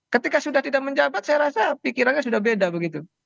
ketika sudah tidak menjabat saya rasa pikirannya sudah beda begitu